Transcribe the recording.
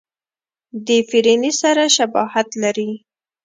د فرني سره شباهت لري.